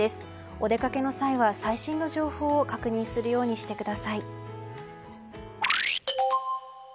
お出かけの際は最新の情報を確認するようにしてください。